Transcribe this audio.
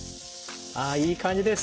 あいい感じです！